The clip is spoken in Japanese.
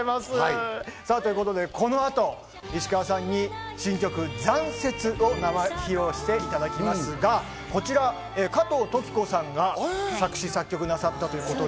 ということでこの後、石川さんに新曲『残雪』を生披露していただきますが、こちら加藤登紀子さんが作詞・作曲なさった。